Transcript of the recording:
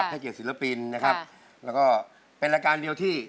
ให้เกียรติศิลปินนะครับแล้วก็เป็นรายการเดียวที่